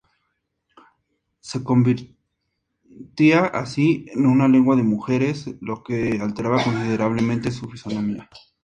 Se convertía así en una "lengua de mujeres", lo que alteraba considerablemente su fisonomía.